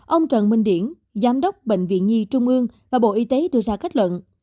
ông trần minh điển giám đốc bệnh viện nhi trung ương và bộ y tế đưa ra kết luận